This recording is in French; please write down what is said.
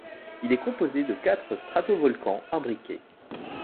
Il est composé de quatre stratovolcans imbriqués.